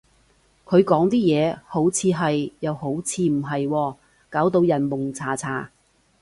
佢講啲嘢，好似係，又好似唔係喎，搞到人矇查查